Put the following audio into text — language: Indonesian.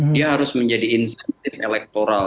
dia harus menjadi insentif elektoral